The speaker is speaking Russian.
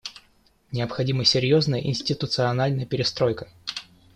Необходима серьезная институциональная перестройка.